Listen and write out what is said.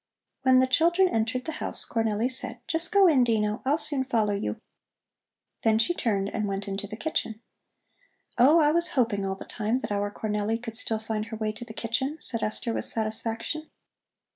When the children entered the house, Cornelli said: "Just go in, Dino, I'll soon follow you." Then she turned and went into the kitchen. "Oh, I was hoping all the time that our Cornelli could still find her way to the kitchen," said Esther with satisfaction.